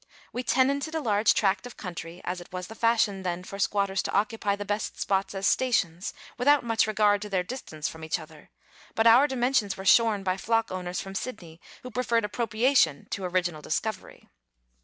We tenanted a large tract of country, as it was the fashion then for squatters to occupy the best spots as stations, without much regard to their distance from each other, but our dimensions were shorn by flock owners from Sydney, who preferred appropriation to original discovery.